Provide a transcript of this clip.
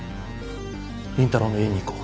倫太郎の家に行こう。